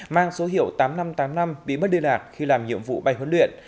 mang số hiệu tám nghìn năm trăm tám mươi năm bị mất đi lạc khi làm nhiệm vụ bay huấn luyện